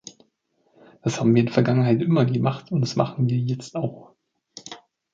Das haben wir in der Vergangenheit immer gemacht, und das machen wir jetzt auch.